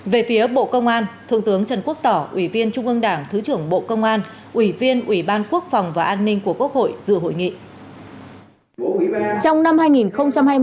về phía bộ công an thượng tướng trần quốc tỏ ủy viên trung ương đảng thứ trưởng bộ công an ủy viên ủy ban quốc phòng và an ninh của quốc hội dự hội nghị